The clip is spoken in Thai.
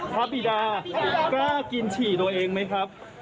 บิดากล้ากินฉี่ตัวเองไหมครับ